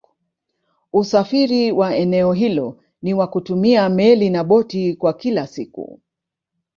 usafiri wa eneo hilo ni wa kutumia Meli na boti kwa kila siku